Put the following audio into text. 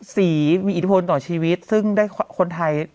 สีมีอิทธิพลต่อชีวิตซึ่งได้คนไทย